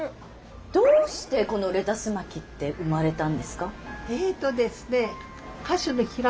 どうしてこのレタス巻って生まれたんですか？